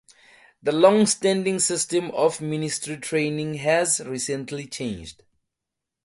The longstanding system of ministry training has recently changed.